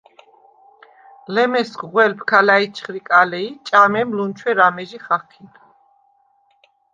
ლემესგ-ღველფ ქა ლაიჩხირკალე ი ჭამემ ლუნჩვერ ამეჟი ხაჴიდ.